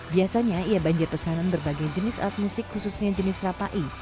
biasanya ia banjir pesanan berbagai jenis alat musik khususnya jenis rapai